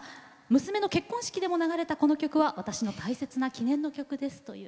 娘の結婚式でも流れたこの曲は私の大切な記念の曲です。